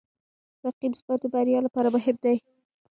رقیب زما د بریا لپاره مهم دی